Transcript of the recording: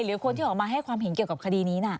หรือคนที่ออกมาให้ความเห็นเกี่ยวกับคดีนี้น่ะ